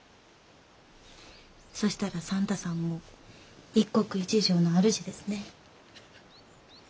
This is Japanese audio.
そしたら算太さんも一国一城のあるじですね。